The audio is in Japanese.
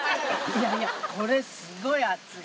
いやこれ、すごい熱い。